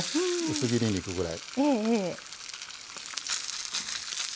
薄切り肉ぐらい。